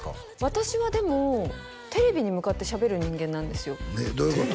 私はでもテレビに向かってしゃべる人間なんですよどういうこと？